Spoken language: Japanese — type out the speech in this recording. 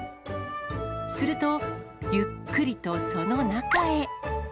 すると、ゆっくりとその中へ。